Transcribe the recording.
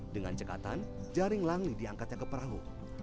dengan cekatan jaring langli diangkatnya ke perahu